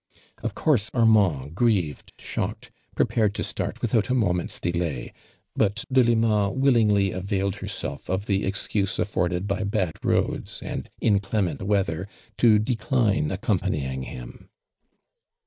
Of course, Armand, grieved, shocked, pre pared to start without a moment's delay, but Delima willingly availed herself of the excuse afforded by bad roads and incle ment weather to decline accompanying him.